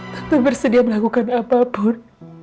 tante bersedia melakukan apapun